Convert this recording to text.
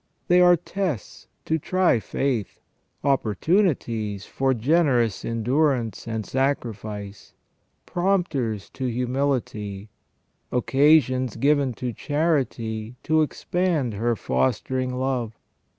They are tests to try faith ; opportunities for generous endurance and sacrifice ; prompters to humility ; occasions given to charity to expand her fostering love.